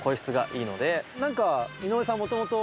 なんか井上さん、もともと？